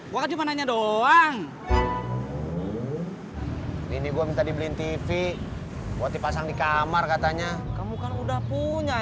buat cuma nanya doang ini gue minta dibeliin tv buat dipasang di kamar katanya kamu kan udah punya